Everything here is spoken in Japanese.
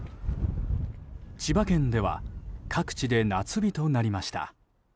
千葉県では各地で夏日となりました。